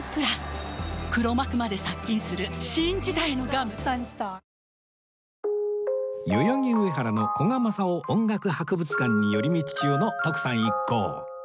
ダイハツ代々木上原の古賀政男音楽博物館に寄り道中の徳さん一行